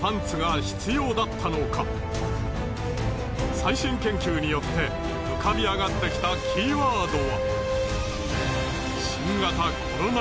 最新研究によって浮かび上がってきたキーワードは。